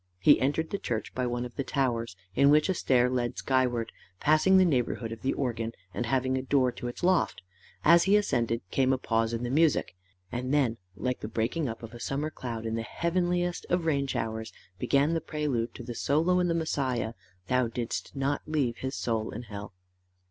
He entered the church by one of the towers, in which a stair led skyward, passing the neighbourhood of the organ, and having a door to its loft. As he ascended, came a pause in the music; and then, like the breaking up of a summer cloud in the heavenliest of rain showers, began the prelude to the solo in the Messiah, THOU DIDST NOT LEAVE HIS SOUL IN HELL.